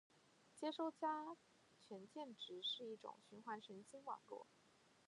接收加权键值是一种循环神经网络